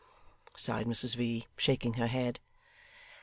sighed Mrs V., shaking her head.